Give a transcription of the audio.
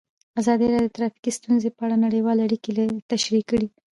ازادي راډیو د ټرافیکي ستونزې په اړه نړیوالې اړیکې تشریح کړي.